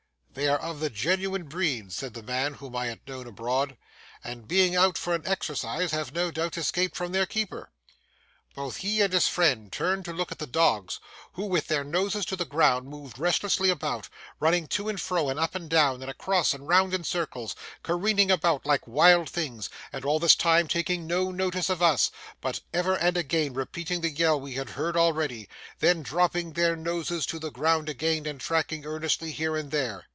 'They are of the genuine breed,' said the man whom I had known abroad, 'and being out for exercise have no doubt escaped from their keeper.' Both he and his friend turned to look at the dogs, who with their noses to the ground moved restlessly about, running to and fro, and up and down, and across, and round in circles, careering about like wild things, and all this time taking no notice of us, but ever and again repeating the yell we had heard already, then dropping their noses to the ground again and tracking earnestly here and there.